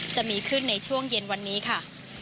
จะมีขึ้นในช่วงเย็นวันนี้ค่ะ